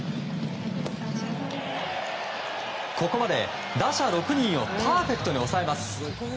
ここまで打者６人をパーフェクトに抑えます。